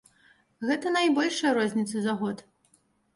Гэта найбольшая розніца за год.